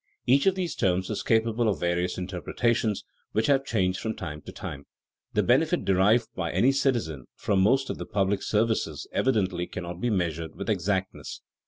Each of these terms is capable of various interpretations which have changed from time to time. The benefit derived by any citizen from most of the public services evidently cannot be measured with exactness.